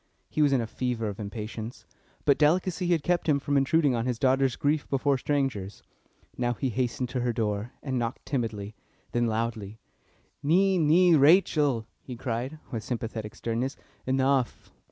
He was in a fever of impatience, but delicacy had kept him from intruding on his daughter's grief before strangers. Now he hastened to her door, and knocked timidly, then loudly. "Nee, nee, Rachel," he cried, with sympathetic sternness, "Enough!"